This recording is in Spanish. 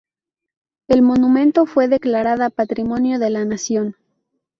El monumento fue declarada Patrimonio de la Nación.